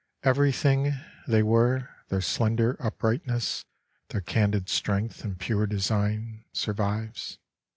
Everything They were, their slender uprightness, Their candid strength and pure design Survives.